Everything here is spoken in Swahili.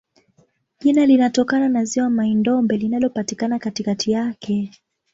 Jina linatokana na ziwa Mai-Ndombe linalopatikana katikati yake.